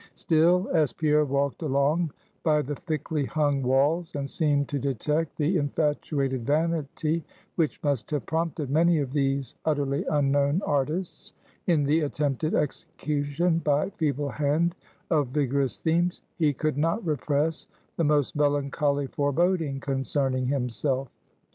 Still, as Pierre walked along by the thickly hung walls, and seemed to detect the infatuated vanity which must have prompted many of these utterly unknown artists in the attempted execution by feeble hand of vigorous themes; he could not repress the most melancholy foreboding concerning himself.